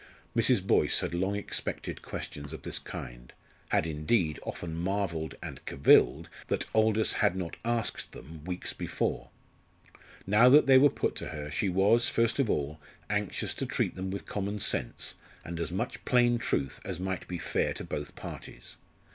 Mrs. Boyce had long expected questions of this kind had, indeed, often marvelled and cavilled that Aldous had not asked them weeks before. Now that they were put to her she was, first of all, anxious to treat them with common sense, and as much plain truth as might be fair to both parties.